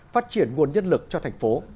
phát triển nguồn nhân lực cho thành phố